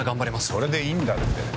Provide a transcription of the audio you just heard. それでいいんだって。